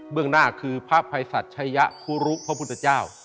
เรื่องหน้าคือพระภัยสัชยะคุรุพระพุทธเจ้า